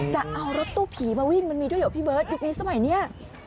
จะเอารถตู้ผีมาวิ่งมันมีด้วยเหรอพี่เบิร์ตยุคนี้สมัยนี้